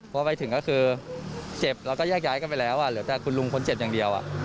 พอไปถึงก็คือเจ็บแล้วก็แยกย้ายกันไปแล้วเหลือแต่คุณลุงคนเจ็บอย่างเดียว